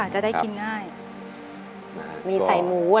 จะมีอะไรอยู่